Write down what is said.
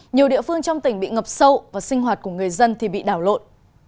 nhiều địa phương trong tỉnh bị ngập sâu và sinh hoạt của người dân thì bị đảo lộn